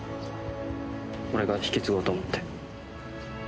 俺が引き継ごうと思って。